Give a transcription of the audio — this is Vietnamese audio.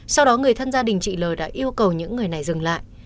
sau đó người thân gia đình chị l đã yêu cầu những người này dừng lại